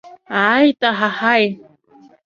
Ааит, аҳаҳаи!